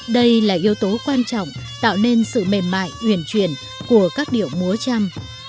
đây là yếu tố quan trọng tạo nên sự mềm mại huyền truyền của các điệu múa trăm